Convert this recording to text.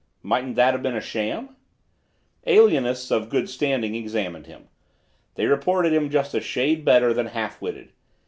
"Mightn't that have been a sham?" "Alienists, of good standing examined him. They reported him just a shade better than half witted.